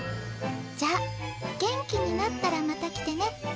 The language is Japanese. じゃあ元気になったらまた来てね。